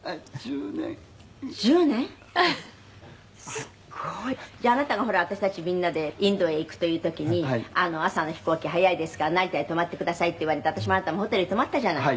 「すごい。じゃああなたがほら私たちみんなでインドへ行くという時に“朝の飛行機早いですから成田へ泊まってください”って言われて私もあなたもホテルに泊まったじゃない」